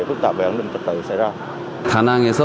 phức tạp về an ninh trật tự xảy ra